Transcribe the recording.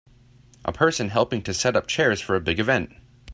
A person helping to set up chairs for a big event.